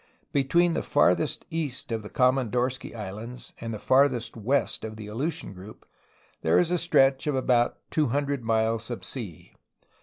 Between the farthest east of the Komondorski Islands and the farthest west of the Aleutian group there is a stretch of about two hundred miles of sea.